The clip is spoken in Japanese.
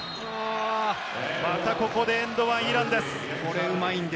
またここでエンド１、イランです。